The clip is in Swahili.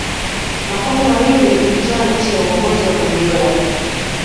makombe mawili ilitwaa chini ya uongozi wa guardiola